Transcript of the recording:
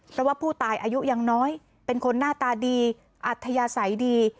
เพราะว่าผู้ตายอายุยังน้อยเป็นคนหน้าตาดีอัธยาศัยดี